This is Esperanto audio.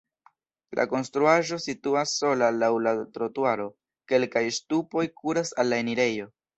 La konstruaĵo situas sola laŭ la trotuaro, kelkaj ŝtupoj kuras al la enirejo.